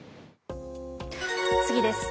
次です。